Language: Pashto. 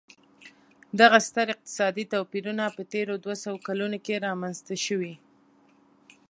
دغه ستر اقتصادي توپیرونه په تېرو دوه سوو کلونو کې رامنځته شوي.